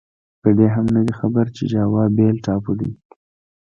په دې هم نه دی خبر چې جاوا بېل ټاپو دی.